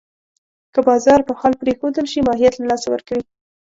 که بازار په حال پرېښودل شي، ماهیت له لاسه ورکوي.